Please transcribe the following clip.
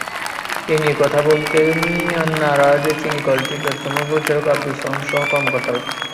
এ নিয়ে কথা বলতে নারাজ চিনিকলটির ব্যবস্থাপনা পরিচালক আবদুস সালামসহ কর্মকর্তারা।